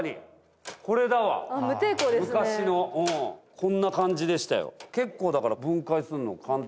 こんな感じでしたよ。